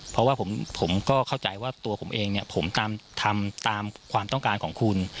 เพราะว่าผมก็เข้าใจว่าตัวผมเองเนี่ยผมทำตามความต้องการของคุณ